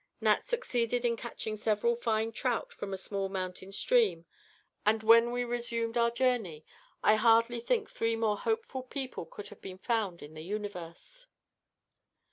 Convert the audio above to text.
Nat succeeded in catching several fine trout from a small mountain stream, and when we resumed our journey, I hardly think three more hopeful people could have been found in the universe.